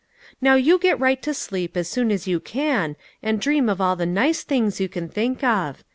" Now you get right to sleep as soon as you can, and dream of all the nice things you can think of.